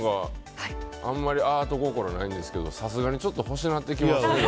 あんまりアート心ないんですけどさすがにちょっと欲しなってきますね。